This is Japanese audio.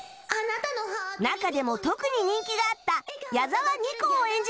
中でも特に人気があった矢澤にこを演じたこの方